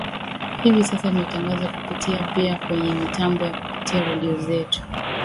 hivi sasa tunatangaza kupitia pia kwenye mitambo ya kupitia redio zetu